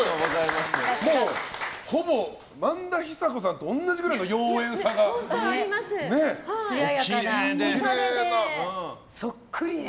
もう、ほぼ萬田久子さんと同じくらいの妖艶さがね。